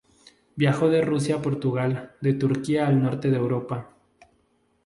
Viajó de Rusia a Portugal, de Turquía al norte de Europa.